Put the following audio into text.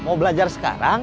saya gak bisa jawab sekarang